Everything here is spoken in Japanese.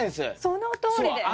そのとおりです！